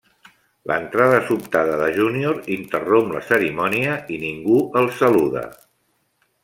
L'entrada sobtada de Junior interromp la cerimònia, i ningú el saluda.